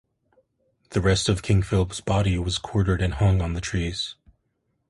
The rest of King Philip's body was quartered and hung on trees.